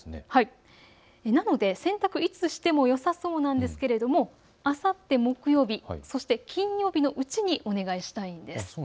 なので洗濯はいつしてもよさそうなんですが、あさって木曜日、金曜日のうちにお願いします。